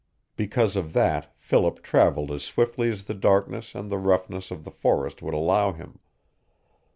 Because of that Philip traveled as swiftly as the darkness and the roughness of the forest would allow him.